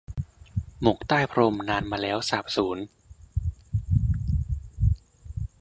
หมกใต้พรมนานมาแล้วสาบสูญ